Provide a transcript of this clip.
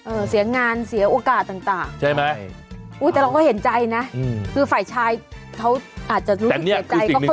เออเสียงานเสียโอกาสต่างอุ้ยแต่เราก็เห็นใจนะคือฝ่ายชายเขาอาจจะรู้สึกเห็นใจก็เข้าใจเขา